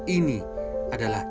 ini adalah kisah